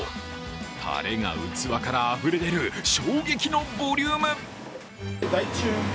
たれが器からあふれ出る衝撃のボリューム。